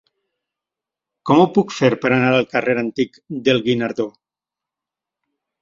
Com ho puc fer per anar al carrer Antic del Guinardó?